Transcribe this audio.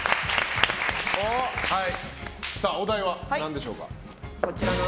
お題は何でしょうか？